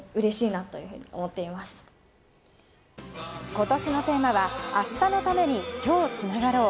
今年のテーマは「明日のために、今日つながろう。」。